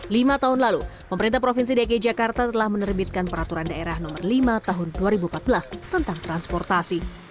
lima tahun lalu pemerintah provinsi dki jakarta telah menerbitkan peraturan daerah nomor lima tahun dua ribu empat belas tentang transportasi